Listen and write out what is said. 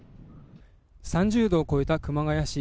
３０度を超えた熊谷市。